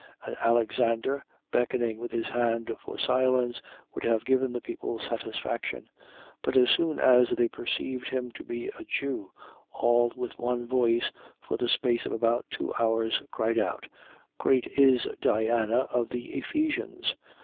And Alexander, beckoning with his hand for silence, would have given the people satisfaction, 19:34. But as soon as they perceived him to be a Jew, all with one voice, for the space of about two, hours, cried out: Great is Diana of the Ephesians!